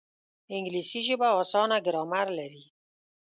انګلیسي ژبه اسانه ګرامر لري